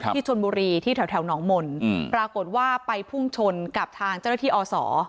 ที่ชนบุรีที่แถวหนองมนต์ปรากฏว่าไปพุ่งชนกับทางเจ้าหน้าที่อศ